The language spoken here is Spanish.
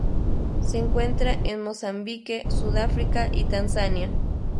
Se encuentra en Mozambique, Sudáfrica y Tanzania.